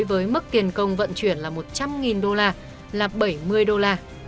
với mức tiền công vận chuyển là một trăm linh đô la là bảy mươi đô la